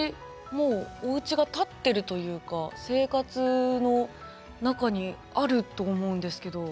もうおうちが建ってるというか生活の中にあると思うんですけど。